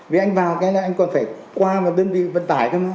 vì anh vào cái là anh còn phải qua vào đơn vị vận tải thôi